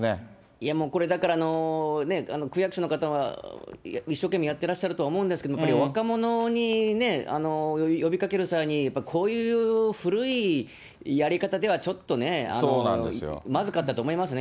いやもう、これ、だから区役所の方は一生懸命やってらっしゃると思うんですけれども、やっぱり若者にね、呼びかける際に、やっぱりこういう古いやり方ではちょっとね、まずかったと思いますね。